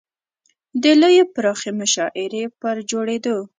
د لویې پراخې مشاعرې پر جوړېدو.